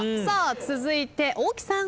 続いて大木さん。